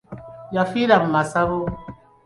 Yafiira mu masabo.